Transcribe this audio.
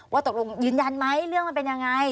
ว่าตกลงยืนยันไหมเรื่องมันเป็นยังไง